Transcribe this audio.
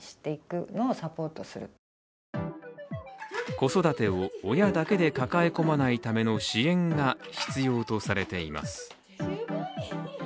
子育てを親だけで抱え込まないための支援が必要とされています。